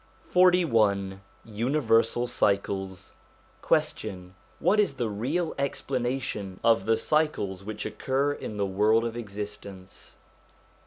XLI THE UNIVERSAL CYCLES Question. What is the real explanation of the cycles which occur in the world of existence